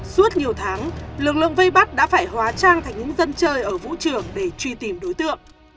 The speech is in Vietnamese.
suốt nhiều tháng lực lượng vây bắt đã phải hóa trang thành những dân chơi ở vũ trường để truy tìm đối tượng